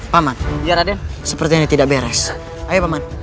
paman biar aden seperti ini tidak beres ayo paman